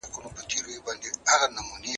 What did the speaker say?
زه پرون د کتابتوننۍ سره مرسته کوم.